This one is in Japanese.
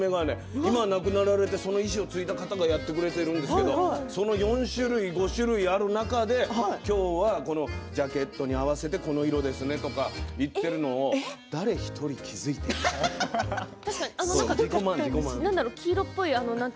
今、亡くなられてその遺志を継いだ方がやってくれてるんですけれどこの４種類、５種類ある中で今日はジャケットに合わせてこの色ですねとかやっているのに誰一人、気付いていない。